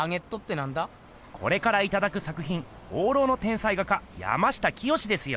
これからいただくさくひん放浪の天才画家山下清ですよ。